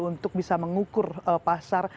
untuk bisa mengukur pasar